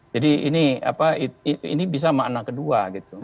jadi ini bisa makna kedua